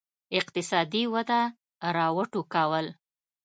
اقتصادي وده را وټوکول.